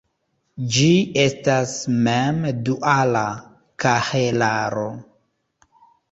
Ĝi estas mem-duala kahelaro.